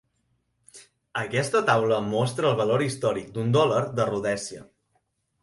Aquesta taula mostra el valor històric d'un dòlar de Rhodèsia.